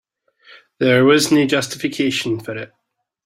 There was no justification for it.